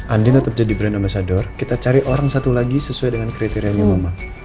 andin tetap jadi brand ambasador kita cari orang satu lagi sesuai dengan kriterianya mama